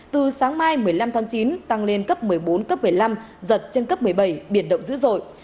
từ sáng mai một mươi năm tháng chín tăng lên cấp một mươi bốn cấp một mươi năm giật trên cấp một mươi bảy biển động dữ dội